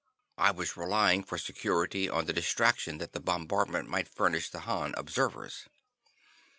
I was relying for security on the distraction that the bombardment might furnish the Han observers.